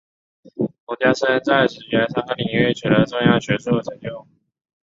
冯家升在史学三个领域取得重要学术成就。